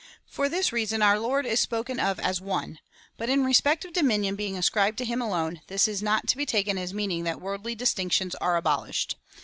For this reason our Lord is spoken of as one.^ But in respect of dominion being ascribed to him alone, this is not to be taken as meaning that worldly distinctions^ are abolished.